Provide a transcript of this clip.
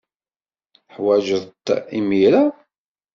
Teḥwajeḍ-t imir-a?